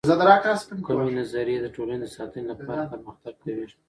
کومې نظریې د ټولنې د ساتنې لپاره پر مختګ کوي؟